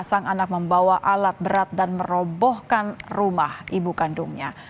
sang anak membawa alat berat dan merobohkan rumah ibu kandungnya